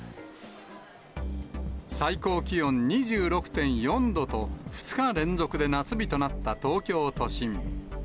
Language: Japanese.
最高気温２６．４度と、２日連続で夏日となった東京都心。